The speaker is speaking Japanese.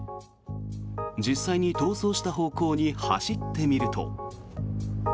実際に逃走した方向に走ってみると。